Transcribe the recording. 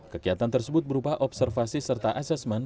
kegiatan tersebut berupa observasi serta assessment